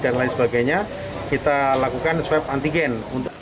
dan lain sebagainya kita lakukan swab antigen